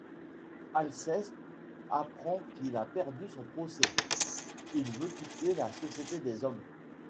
Alceste apprend qu'il a perdu son procès, il veut quitter la société des hommes.